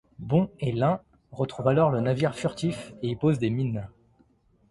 Bond et Lin retrouvent alors le navire furtif et y posent des mines.